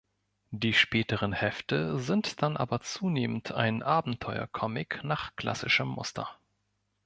Die späteren Hefte sind dann aber zunehmend ein Abenteuer-Comic nach klassischem Muster.